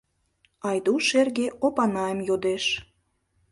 Айдуш эрге Опанайым йодеш.